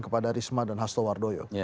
kepada risma dan hasto wardoyo